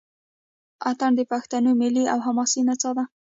اټن د پښتنو ملي او حماسي نڅا ده.